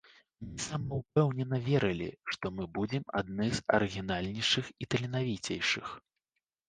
Мы самаўпэўнена верылі, што мы будзем адны з арыгінальнейшых і таленавіцейшых.